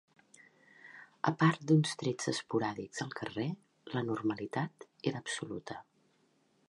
...a part d'uns trets esporàdics al carrer la normalitat era absoluta